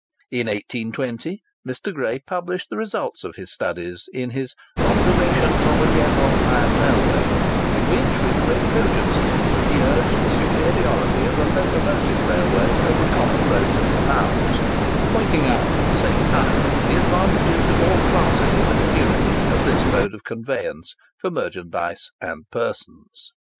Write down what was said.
In 1820 Mr. Gray published the result of his studies in his 'Observations on a General Iron Railway,' in which, with great cogency, he urged the superiority of a locomotive railway over common roads and canals, pointing out, at the same time, the advantages to all classes of the community of this mode of conveyance for merchandise and persons.